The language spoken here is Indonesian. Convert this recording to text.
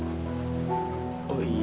maaf banget ya zahira